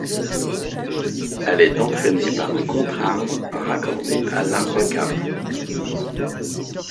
Elle est entraînée par un contre-arbre raccordé à l'arbre à cames.